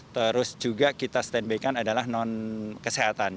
terus juga kita stand by kan adalah non kesehatan